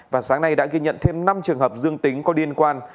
và sáng nay đã ghi nhận thêm năm trường hợp dương tính có liên quan